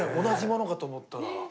同じものかと思ったら。